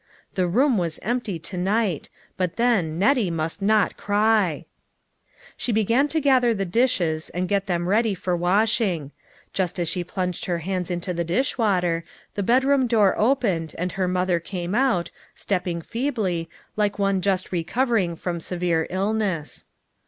The room was empty to night ; but then Nettie must not cry ! She began to gather the dishes and get them ready for washing. Just as she plunged her hands into the dishwater, the bedroom door opened, and her mother came out, stepping feebly, like one just recovering from severe ill ness.